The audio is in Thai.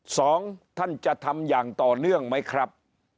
สองท่านจะทำอย่างต่อเนื่องไหมครับ